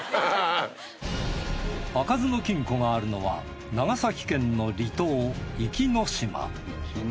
開かずの金庫があるのは長崎県の離島壱岐島。